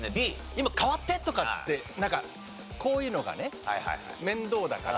「今代わって」とかってなんかこういうのがね面倒だから。